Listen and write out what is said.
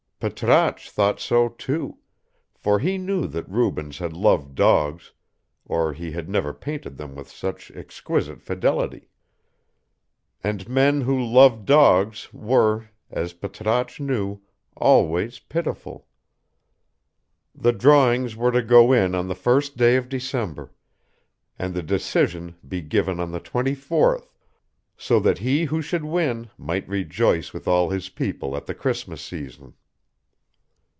Patrasche thought so too, for he knew that Rubens had loved dogs or he had never painted them with such exquisite fidelity; and men who loved dogs were, as Patrasche knew, always pitiful. The drawings were to go in on the first day of December, and the decision be given on the twenty fourth, so that he who should win might rejoice with all his people at the Christmas season.